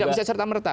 tidak bisa serta merta